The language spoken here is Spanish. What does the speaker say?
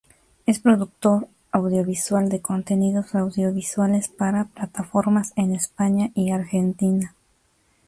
Es productor audiovisual de contenidos audiovisuales para plataformas en España y Argentina.